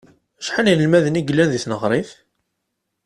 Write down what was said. Acḥal n yinelmaden i yellan deg tneɣrit?